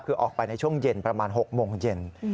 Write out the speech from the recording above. คือออกไปในช่วงเย็นประมาณ๖โมงเย็น